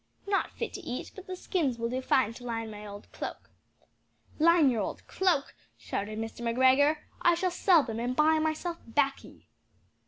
"Not fit to eat; but the skins will do fine to line my old cloak." "Line your old cloak?" shouted Mr. McGregor "I shall sell them and buy myself baccy!"